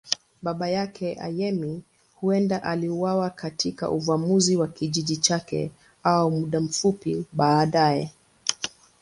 Baba yake, Ayemi, huenda aliuawa katika uvamizi wa kijiji chake au muda mfupi baadaye.